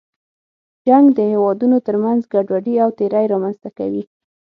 جنګ د هېوادونو تر منځ ګډوډي او تېرې رامنځته کوي.